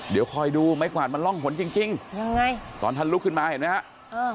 เดี๋ยวคอยดูไม้กวาดมันร่องหล่นจริงตอนท่านลุกขึ้นมาเห็นไหมครับ